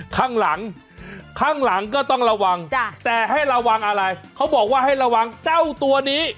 ข้างหลังข้างหลังก็ต้องระวังแต่ให้ระวังอะไรเขาบอกว่าให้ระวังเจ้าตัวนี้